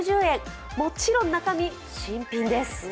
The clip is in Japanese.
もちろん中身、新品です。